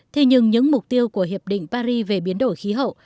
thế nhưng những mục tiêu của hiệp định paris về biến đổi khí hậu